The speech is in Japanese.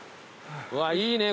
うわいいね